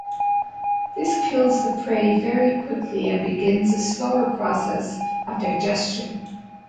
This kills the prey very quickly and begins a slower process of digestion.